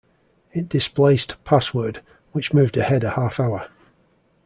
It displaced "Password", which moved ahead a half-hour.